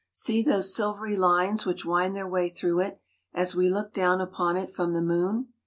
See those silvery lines which wind their way through it, as we look down upon it from the moon.